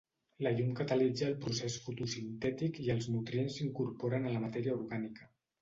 La llum catalitza el procés fotosintètic i els nutrients s'incorporen a la matèria orgànica.